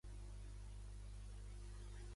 També fou professor del col·legi d'infants de Leganés.